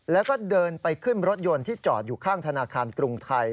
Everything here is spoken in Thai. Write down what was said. แล้วก็เดินไปขึ้นรถยนต์ที่จอดอยู่ข้างธนาคารกรุงไทย